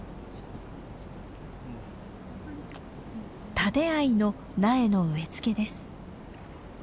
タデアイの苗の植え付けです。